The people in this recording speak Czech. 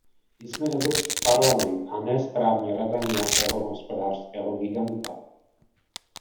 Jsme Evropský parlament, a ne správní rada nějakého hospodářského giganta.